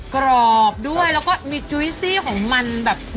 กรอบด้วยแล้วก็มีจุ้ยซี่ของมันแบบ